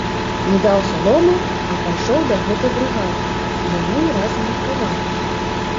Не даў саломы, а пайшоў да гэтай брыгады, і яны разам меркавалі.